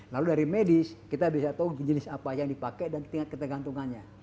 lalu dari medis kita bisa tahu jenis apa yang dipakai dan tingkat ketergantungannya